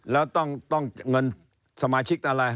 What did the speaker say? แล้วต้องเงินสมาชิกอะไร